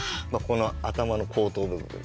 頭の後頭部分ですね。